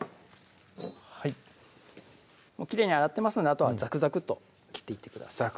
はいきれいに洗ってますのであとはザクザクと切っていってください